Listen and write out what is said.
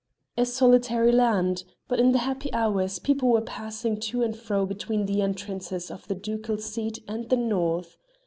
A solitary land, but in the happy hours people were passing to and fro between the entrances to the ducal seat and the north.